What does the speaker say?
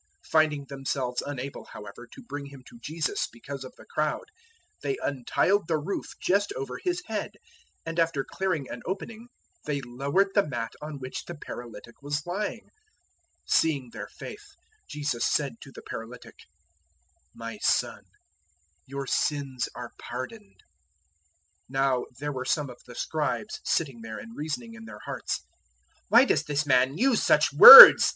002:004 Finding themselves unable, however, to bring him to Jesus because of the crowd, they untiled the roof just over His head, and after clearing an opening they lowered the mat on which the paralytic was lying. 002:005 Seeing their faith, Jesus said to the paralytic, "My son, your sins are pardoned." 002:006 Now there were some of the Scribes sitting there, and reasoning in their hearts. 002:007 "Why does this man use such words?"